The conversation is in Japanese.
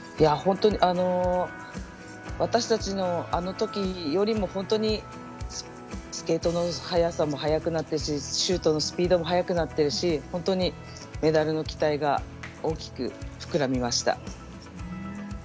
私たちの、あのときよりも本当にスケートの速さも速くなったしシュートのスピードも速くなってるし本当にメダルの期待が大きく膨らみました。